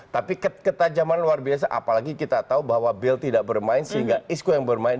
tapi ketajaman luar biasa apalagi kita tahu bahwa bill tidak bermain sehingga isco yang bermain